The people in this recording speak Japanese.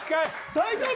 大丈夫？